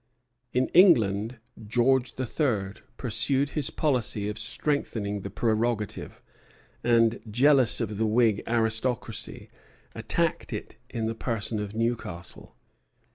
In England George III. pursued his policy of strengthening the prerogative, and, jealous of the Whig aristocracy, attacked it in the person of Newcastle.